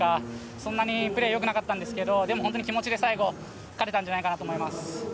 そんなにプレー良くなかったんですがでも気持ちで最後勝てたんじゃないかと思います。